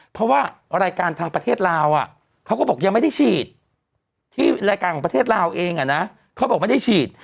เพราะว่ารายการทางประเทศลาวเขาก็บอกยังไม่ได้ฉีดที่รายการของประเทศลาวเองเขาบอกไม่ได้ฉีด